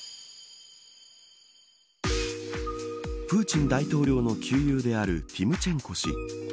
プーチン大統領の旧友であるティムチェンコ氏。